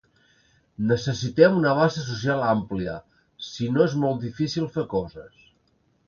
Necessitem una base social àmplia, si no és molt difícil fer coses.